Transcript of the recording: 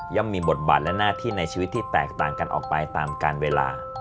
มีบทบาทและหน้าที่ในชีวิตที่แตกต่างกันออกไปตามการเวลา